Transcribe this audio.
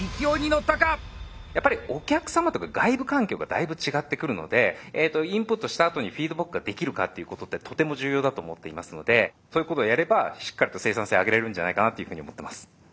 やっぱりお客さまとか外部環境がだいぶ違ってくるのでインプットしたあとにフィードバックができるかっていうことってとても重要だと思っていますのでそういうことをやればしっかりと生産性を上げれるんじゃないかなっていうふうに思ってます。